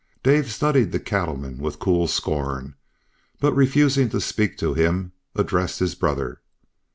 Dave studied the cattle man with cool scorn, but refusing to speak to him, addressed his brother.